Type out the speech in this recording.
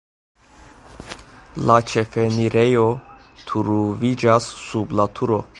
La ĉefenirejo troviĝas sub la turo.